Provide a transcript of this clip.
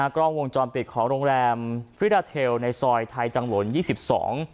กล้องวงจรปิดของโรงแรมฟรีราเทลในซอยไทยจังหลวน๒๒